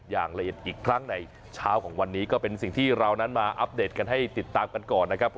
อย่างละเอียดอีกครั้งในเช้าของวันนี้ก็เป็นสิ่งที่เรานั้นมาอัปเดตกันให้ติดตามกันก่อนนะครับ